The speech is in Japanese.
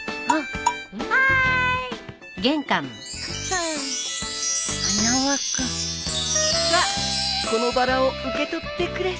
さあこのバラを受け取ってくれ。